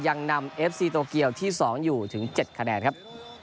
ยังนำเอฟซีโตเกียวที่๒อยู่ถึง๗คะแนนครับ